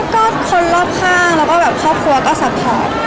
ก็คนรอบข้างแล้วก็แบบครอบครัวก็ซัพพอร์ต